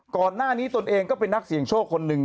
ก่อนหน้านี้ตนเองก็เป็นนักเสี่ยงโชคคนหนึ่ง